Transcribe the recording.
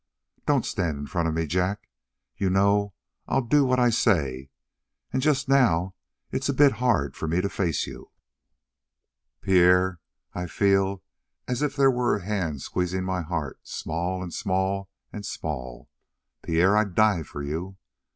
"Don't stand in front of me, Jack. You know I'll do what I say, and just now it's a bit hard for me to face you." "Pierre, I feel as if there were a hand squeezing my heart small, and small, and small. Pierre, I'd die for you!"